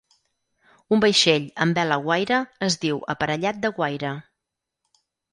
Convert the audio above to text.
Un vaixell amb vela guaira es diu aparellat de guaira.